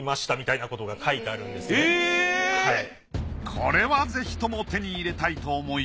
これはぜひとも手に入れたいと思い